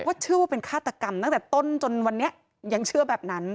เชื่อว่าเป็นฆาตกรรมตั้งแต่ต้นจนวันนี้ยังเชื่อแบบนั้น